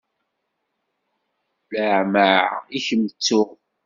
Leɛmeɛ i kem-ttuɣ.